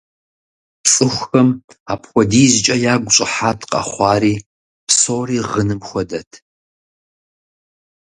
ЦӀыхухэм апхуэдизкӀэ ягу щӀыхьат къэхъуари, псори гъыным хуэдэт.